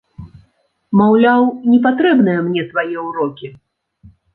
Маўляў, не патрэбныя мне твае ўрокі.